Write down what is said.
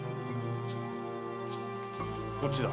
こっちだ。